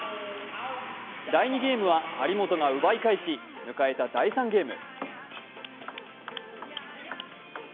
第２ゲームは張本が奪い返し迎えた第３ゲーム。